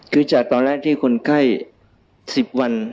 คือจากตอนแรกที่คนไข้๑๐วัน